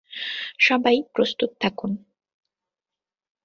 সবাই, প্রস্তুত থাকুন।